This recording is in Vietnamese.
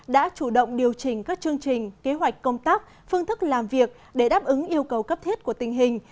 đã chủ động điều chỉnh các chương trình kế hoạch công tác phương thức làm việc để đáp ứng yêu cầu cấp thiết của tình hình